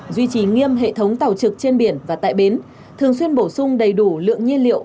duy trì nghiêm hệ thống tàu trực trên biển và tại bến thường xuyên bổ sung đầy đủ lượng nhiên liệu